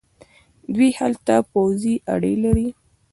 دوی هلته پوځي اډې لري.